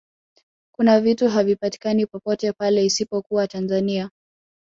kuna vitu havipatikani popote pale isipokuwa tanzania